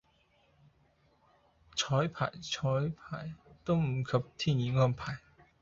綵排綵排都不及天意安排